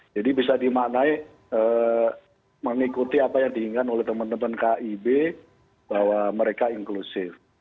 jadi bisa dimanai mengikuti apa yang diingat oleh teman teman kib bahwa mereka inklusif